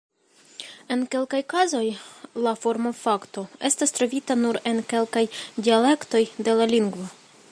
En kelkaj kazoj la formo-fakto estas trovita nur en kelkaj dialektoj de la lingvo.